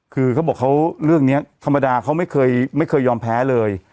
คือเขาบอกเขาเรื่องนี้ธรรมดาเขาไม่เคยยอมแพ้เลย